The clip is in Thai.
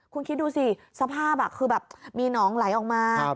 คุณคิดดูสิสภาพคือแบบมีหนองไหลออกมา